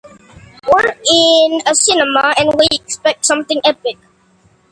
We're in a cinema, and we expect something epic.